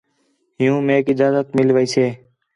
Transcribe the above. ہِیُّوں میک اجازت مِل ویسے